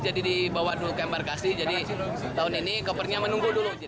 jadi dibawa dulu ke embarkasi jadi tahun ini kopernya menunggu dulu